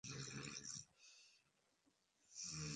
মেজাজটা এত খারাপ লাগছে!